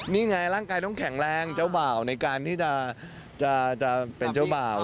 นี่ไงร่างกายต้องแข็งแรงเจ้าบ่าวในการที่จะเป็นเจ้าบ่าว